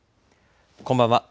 こんばんは。